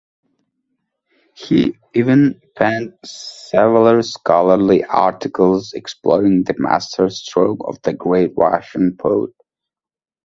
He even penned several scholarly articles exploring the master-stroke of the great Russian poet.